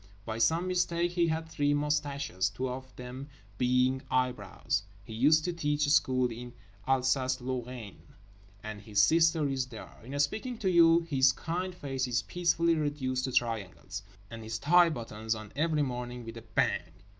By some mistake he had three moustaches, two of them being eyebrows. He used to teach school in Alsace Lorraine, and his sister is there. In speaking to you his kind face is peacefully reduced to triangles. And his tie buttons on every morning with a Bang!